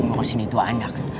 urusin itu anak